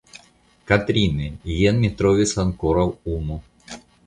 Katrine, jen mi trovis ankoraŭ unu.